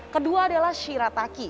kedua adalah shirataki